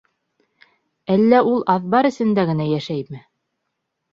Әллә ул аҙбар эсендә генә йәшәйме?